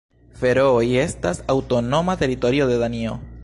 Ferooj estas aŭtonoma teritorio de Danio.